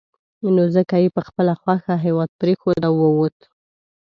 نو ځکه یې په خپله خوښه هېواد پرېښود او ووت.